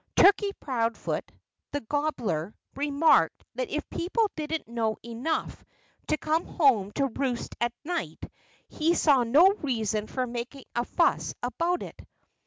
Turkey Proudfoot, the gobbler, remarked that if people didn't know enough to come home to roost at night he saw no reason for making a fuss about it.